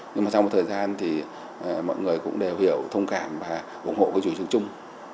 nhưng mà sau một thời gian thì mọi người cũng đều hiểu thông cảm và ủng hộ cái chủ trương chung